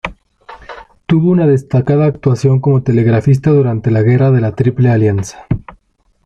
Tuvo una destacada actuación como telegrafista durante la Guerra de la Triple Alianza.